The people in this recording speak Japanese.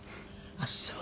ああそう。